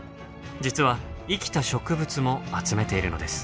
実は生きた植物も集めているのです。